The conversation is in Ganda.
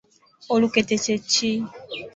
Olukete kye ki?